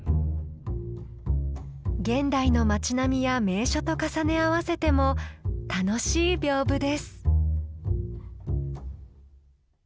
現代の町並みや名所と重ね合わせても楽しい屏風です。